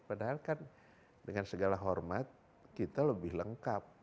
padahal kan dengan segala hormat kita lebih lengkap